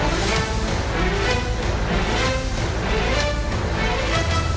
ก็ต้องชมเชยเขาล่ะครับเดี๋ยวลองไปดูห้องอื่นต่อนะครับ